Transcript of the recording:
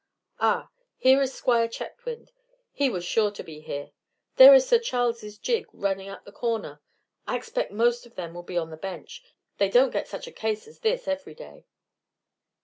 Ah, here is Squire Chetwynd. He was sure to be here. There is Sir Charles' gig turning the corner. I expect most of them will be on the bench; they don't get such a case as this every day."